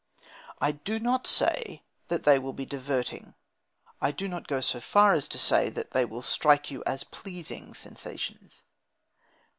I do not say that they will be diverting. I do not go so far as to say that they will strike you as pleasing sensations.